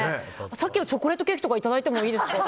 さっきのチョコレートケーキとかいただいてもいいですか？